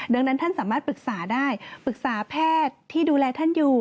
ดังนั้นท่านสามารถปรึกษาได้ปรึกษาแพทย์ที่ดูแลท่านอยู่